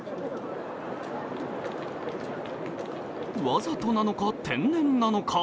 わざとなのか、天然なのか。